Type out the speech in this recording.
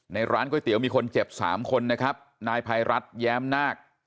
ร้านก๋วยเตี๋ยวมีคนเจ็บสามคนนะครับนายภัยรัฐแย้มนาค